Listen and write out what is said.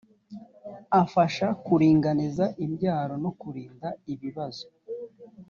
afasha kuringaniza imbyaro no kurinda ibibazo